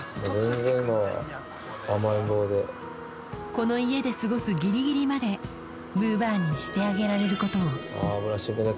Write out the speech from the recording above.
この家で過ごすギリギリまでむぅばあにしてあげられることをブラッシングね